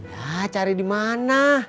ya cari dimana